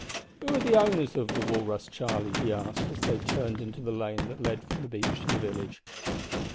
"Who are the owners of the Walrus, Charlie?" he asked, as they turned into the lane that led from the beach to the village.